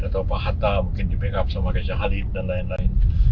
atau pak hatta mungkin di backup sama reza halid dan lain lain